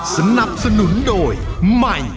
สนับสนุนโดยใหม่